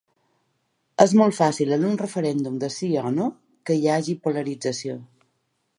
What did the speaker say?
És molt fàcil en un referèndum de sí o no que hi hagi polarització.